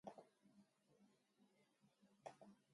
だけど、どこか似ていた。同じに見えた。